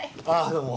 どうも。